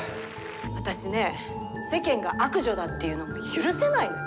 私ね世間が悪女だって言うの許せないのよ。